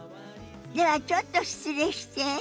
ではちょっと失礼して。